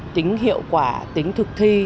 tính hiệu quả tính thực thi